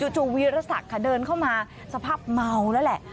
จู่วีรศักดิ์ค่ะเดินเข้ามาสภาพเมาแล้วแหละ